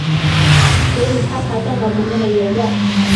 所以他爬上了旁边的岩架。